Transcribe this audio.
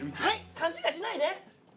勘違いしないで！